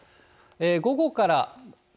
午後から。